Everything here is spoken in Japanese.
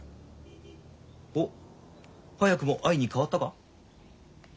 おっ早くも愛に変わったか？